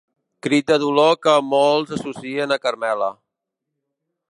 Crit de dolor que molts associen a Carmela.